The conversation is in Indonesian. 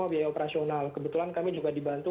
biaya operasional kebetulan kami juga dibantu